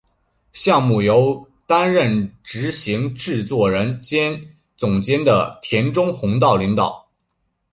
项目由担任执行制作人兼总监的田中弘道领导。